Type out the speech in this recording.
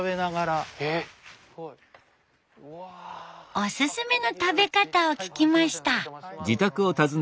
オススメの食べ方を聞きました。